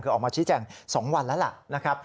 คือออกมาชี้แจง๒วันแล้วล่ะ